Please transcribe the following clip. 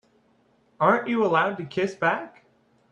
Aren't you allowed to kiss back?